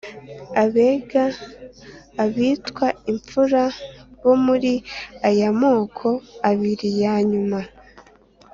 abega, abitwa imfura bo muri aya moko abiri ya nyuma